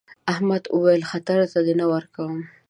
احمد وويل: خطر ته دې نه ورکوم.